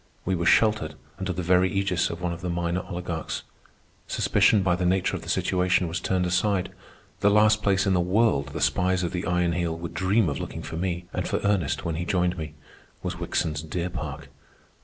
We were sheltered under the very ægis of one of the minor oligarchs. Suspicion, by the nature of the situation, was turned aside. The last place in the world the spies of the Iron Heel would dream of looking for me, and for Ernest when he joined me, was Wickson's deer park.